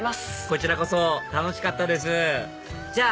こちらこそ楽しかったですじゃ